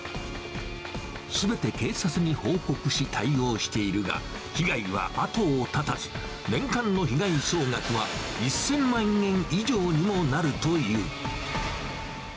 すべて警察に報告し、対応しているが、被害は後を絶たず、年間の被害総額は１０００万円以上にもなるという。